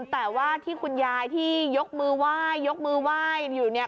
แต่ว่าที่คุณยายที่ยกมือไหว้ยกมือไหว้อยู่เนี่ย